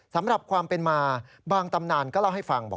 สำหรับความเป็นมาบางตำนานก็เล่าให้ฟัง